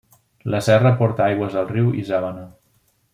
La serra aporta aigües al riu Isàvena.